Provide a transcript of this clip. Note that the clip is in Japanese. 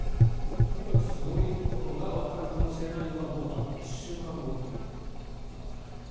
とにかくすごいことがわかるかもしれないのがもうあと１週間後というところになります。